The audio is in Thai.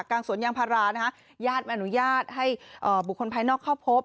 กลางสวนยางพารานะคะญาติไม่อนุญาตให้บุคคลภายนอกเข้าพบ